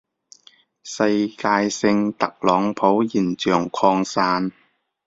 世界性特朗普現象擴散